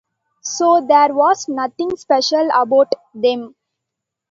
So there was nothing special about them.